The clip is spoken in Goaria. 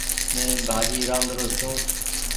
مين ڀآڃي رآدرو ڇون ۔